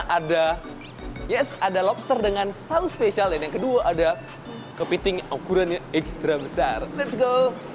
ada yes ada lobster dengan saus spesial dan yang kedua ada kepiting ukurannya ekstra besar ⁇ lets ⁇ go